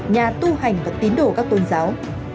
nhà tu hành và tín đồ các tôn giáo